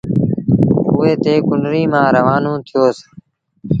اُئي تي ڪنريٚ مآݩ روآنو ٿيو س۔